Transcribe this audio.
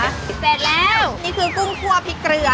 เสร็จแล้วนี่คือกุ้งคั่วพริกเกลือ